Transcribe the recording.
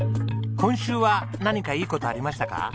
今週は何かいい事ありましたか？